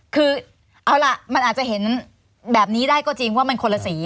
คือเอาล่ะมันอาจจะเห็นแบบนี้ได้ก็จริงว่ามันคนละสี